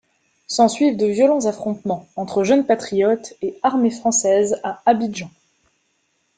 S'ensuivent de violents affrontements entre Jeunes Patriotes et armée française à Abidjan.